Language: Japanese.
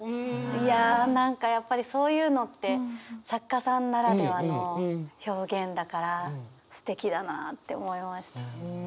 いや何かやっぱりそういうのって作家さんならではの表現だからすてきだなって思いました。